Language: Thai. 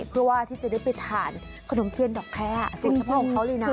เพื่อว่าจะได้ทานขนมเที่ยนดอกแค้นคุณผู้ชม